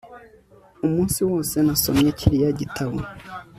Umunsi wose nasomye kiriya gitabo